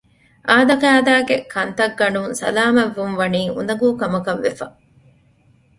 އާދަކާދައިގެ ކަންތައްގަނޑުން ސަލާމަތްވުންވެސް ވަނީ އުނދަގޫ ކަމަކަށް ވެފަ